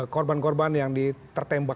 korban korban yang tertembak